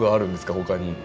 他に。